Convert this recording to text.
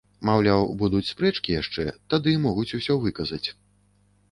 Маўляў, будуць спрэчкі яшчэ, тады могуць усё выказаць.